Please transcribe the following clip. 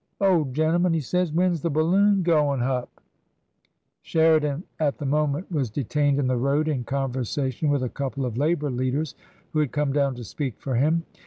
Old gen'leman/ he says, ' when's the Balloon going h*up ?*" Sheridan at the moment was detained in the road in conversation with a couple of Labour leaders who had come down to speak for him.